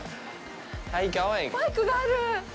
バイクがある！